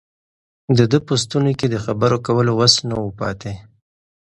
د ده په ستوني کې د خبرو کولو وس نه و پاتې.